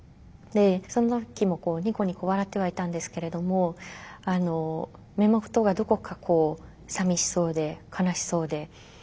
その時もニコニコ笑ってはいたんですけれども目元がどこかこうさみしそうで悲しそうで。